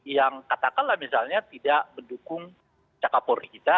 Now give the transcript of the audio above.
yang katakanlah misalnya tidak mendukung cakapur kita